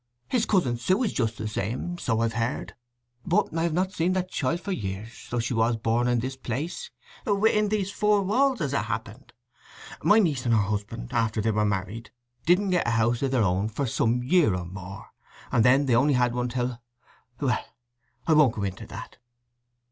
His cousin Sue is just the same—so I've heard; but I have not seen the child for years, though she was born in this place, within these four walls, as it happened. My niece and her husband, after they were married, didn' get a house of their own for some year or more; and then they only had one till—Well, I won't go into that.